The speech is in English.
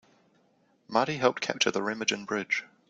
Marty helped capture the Remagen Bridge.